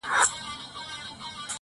خو زړې نښې لا شته تل-